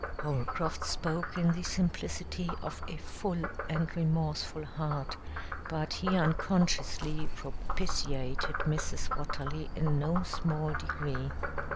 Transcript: Holcroft spoke in the simplicity of a full and remorseful heart, but he unconsciously propitiated Mrs. Watterly in no small degree.